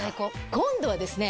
今度はですね